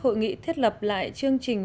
hội nghị thiết lập lại chương trình